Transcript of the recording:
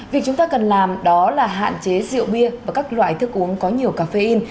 việc chúng ta cần làm đó là hạn chế rượu bia và các loại thức uống có nhiều caffeine